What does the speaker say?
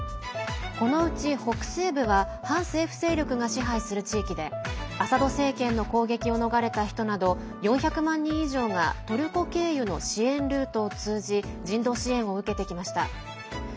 このうち北西部は反政府勢力が支配する地域でアサド政権の攻撃を逃れた人など４００万人以上がトルコ経由の支援ルートを通じ人道支援を受けてきました。